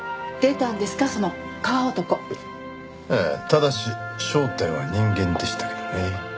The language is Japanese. ただし正体は人間でしたけどね。